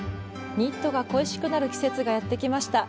ニットが恋しくなる季節がやってきました。